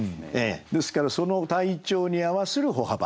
ですからその「体調に合はする歩巾」。